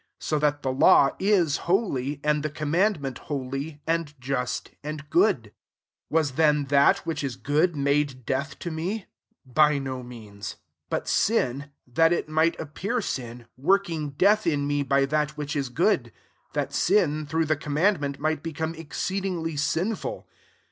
12 So that the law t» holy ; and the commandment holy, and just, and good 13' Was then that which is good made death to me ? By no means :/ but sin : that it might appear sin, working death in me by that Which is good ; that sin, through the commandment, might become exceedingly sin ful.